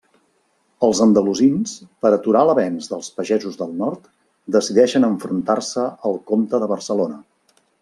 Els andalusins, per aturar l'avenç dels pagesos del nord, decideixen enfrontar-se al comte de Barcelona.